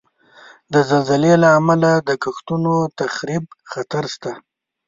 د زلزلې له امله د کښتونو د تخریب خطر شته.